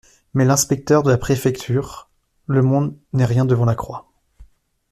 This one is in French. Mais l'inspecteur de la préfecture … Le monde n'est rien devant la croix.